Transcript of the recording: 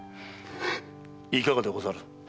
いかがでござる？